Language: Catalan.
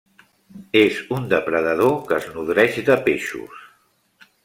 És un depredador que es nodreix de peixos.